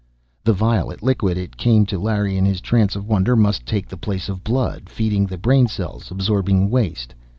The violet liquid, it came to Larry in his trance of wonder, must take the place of blood, feeding the brain cells, absorbing waste.